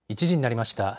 １時になりました。